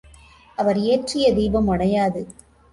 அவர் ஏற்றிய தீபம் அணையாது.